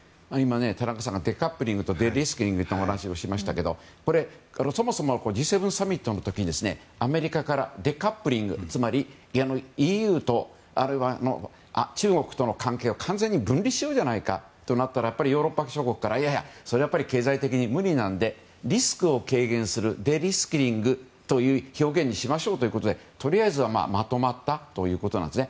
今、デカップリングとデリスキングという話をしましたがＧ７サミットの時にアメリカからデカップリングつまりＥＵは中国との関係を完全に分断しようじゃないかとなった時にやっぱりヨーロッパ諸国からそれは経済的に無理なのでリスクを軽減するデリスキングという表現にしましょうということでとりあえずまとまったんです。